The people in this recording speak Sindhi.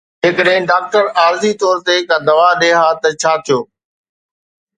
جيڪڏهن ڊاڪٽر عارضي طور تي ڪا دوا ڏئي ها ته ڇا ٿيو؟